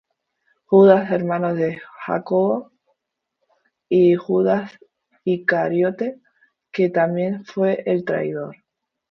Judas hermano de Jacobo, y Judas Iscariote, que también fué el traidor.